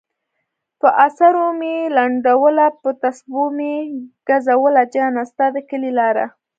پہ اسرو میی لنڈولہ پہ تسپو میی گزولہ جانہ! ستا د کلی لارہ